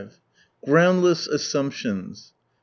Groundless assumptions.